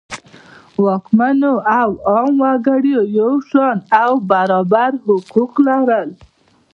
واکمنانو او عامو وګړو یو شان او برابر حقوق لرل.